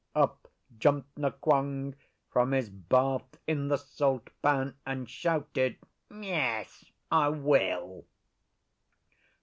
Up jumped Nqong from his bath in the salt pan and shouted, 'Yes, I will!